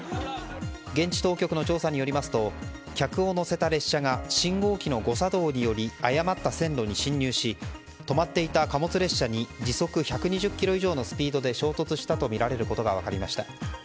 現地当局の調査によりますと客を乗せた列車が信号機の誤作動により誤った線路に進入し止まっていた貨物列車に時速１２０キロ以上のスピードで衝突したとみられることが分かりました。